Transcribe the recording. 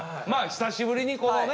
久しぶりにこのね